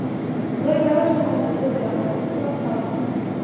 ځای ته راشه، هلته زه د راحت احساس کوم.